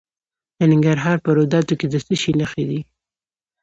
د ننګرهار په روداتو کې د څه شي نښې دي؟